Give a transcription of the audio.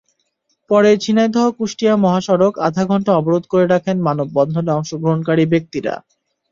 পরে ঝিনাইদহ-কুষ্টিয়া মহাসড়ক আধা ঘণ্টা অবরোধ করে রাখেন মানববন্ধনে অংশগ্রহণকারী ব্যক্তিরা।